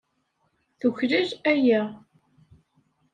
Tuklal aya.